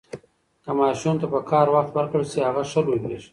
که ماشوم ته پکار وخت ورکړل شي، هغه ښه لوییږي.